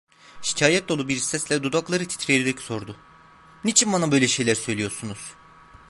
Şikayet dolu bir sesle, dudakları titreyerek sordu: "Niçin bana böyle şeyler söylüyorsunuz?"